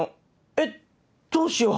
えっどうしよう！